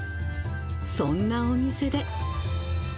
そんなお店で。